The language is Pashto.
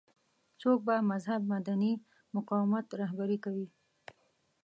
څوک به مهذب مدني مقاومت رهبري کوي.